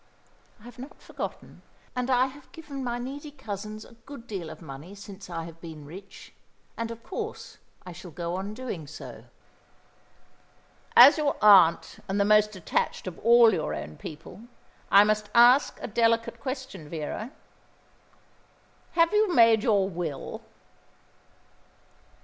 "I have not forgotten, and I have given my needy cousins a good deal of money since I have been rich; and, of course, I shall go on doing so." "As your aunt, and the most attached of all your own people, I must ask a delicate question, Vera. Have you made your will?"